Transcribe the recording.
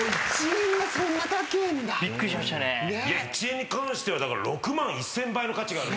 １円に関しては６万１，０００倍の価値がある。